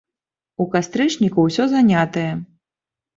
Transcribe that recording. У кастрычніку усё занятае.